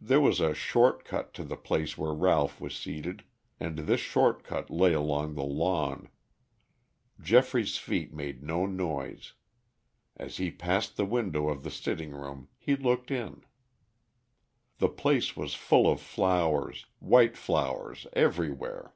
There was a short cut to the place where Ralph was seated, and this short cut lay along the lawn. Geoffrey's feet made no noise. As he passed the window of the sitting room he looked in. The place was full of flowers, white flowers everywhere.